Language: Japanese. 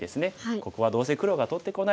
ここはどうせ黒が取ってこないのでじゃあ